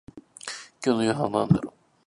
今日の夕飯なんだろう